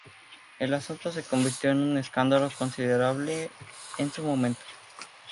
El asunto se convirtió en un escándalo considerable en su momento.